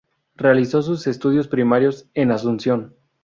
Realizó sus estudios primarios en Asunción.